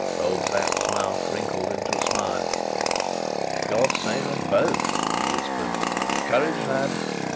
Old Sapt's mouth wrinkled into a smile. "God save 'em both!" he whispered. "Courage, lad!"